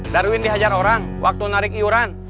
darwin dihajar orang waktu narik iuran